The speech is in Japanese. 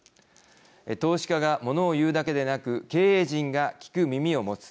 投資家がものを言うだけでなく経営陣が聞く耳を持つ。